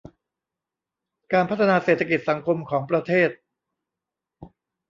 การพัฒนาเศรษฐกิจสังคมของประเทศ